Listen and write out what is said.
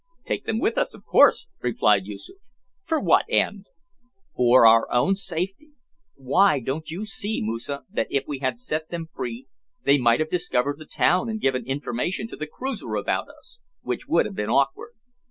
"Take them with us, of course," replied Yoosoof. "For what end?" "For our own safety. Why, don't you see, Moosa, that if we had set them free, they might have discovered the town and given information to the cruiser about us, which would have been awkward?